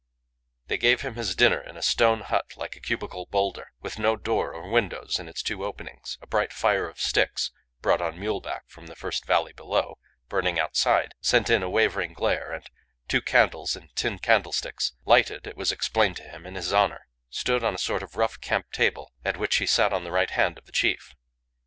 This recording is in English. They gave him his dinner in a stone hut like a cubical boulder, with no door or windows in its two openings; a bright fire of sticks (brought on muleback from the first valley below) burning outside, sent in a wavering glare; and two candles in tin candlesticks lighted, it was explained to him, in his honour stood on a sort of rough camp table, at which he sat on the right hand of the chief.